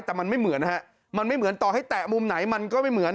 แต่มันไม่เหมือนนะฮะมันไม่เหมือนต่อให้แตะมุมไหนมันก็ไม่เหมือน